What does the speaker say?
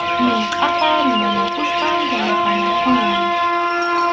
Minkʼaqa rimanakuspa yanapanakuymi.